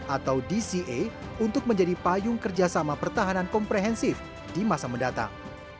atau dca untuk menjadi payung kerjasama pertahanan komprehensif di masa mendatang